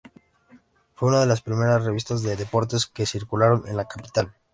Fue una de las primera revistas de deportes que circularon en la capital.